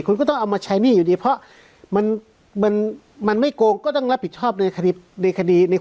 คุณก็ต้องเอามาใช้หนี้อยู่ดีเพราะมันมันไม่โกงก็ต้องรับผิดชอบในคดีในคดีใน